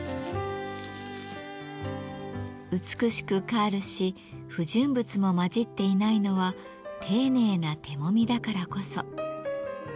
美しくカールし不純物も混じっていないのは丁寧な手もみだからこそ。